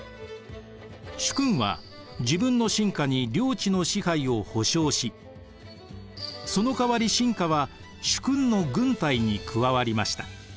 主君は自分の臣下に領地の支配を保証しそのかわり臣下は主君の軍隊に加わりました。